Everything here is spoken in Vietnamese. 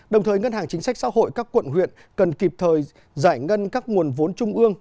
đồng thời ngân hàng chính sách xã hội các quận huyện cần kịp thời giải ngân các nguồn vốn trung ương